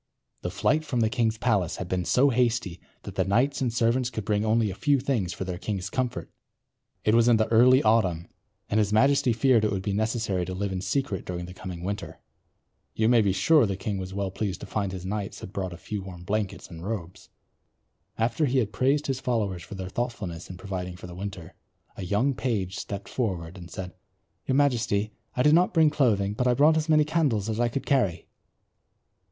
The flight from the king's palace had been so hasty that the knights and servants could bring only a few things for their king's comfort. It was in the early autumn and his majesty feared it would be necessary to live in secret during the coming winter. You may be sure the king was well pleased to find his knights had brought a few warm blankets and robes. After he had praised his followers for their thoughtfulness in providing for the winter, a young page stepped forward and said, "Your Majesty, I did not bring clothing, but I brought as many candles as I could carry."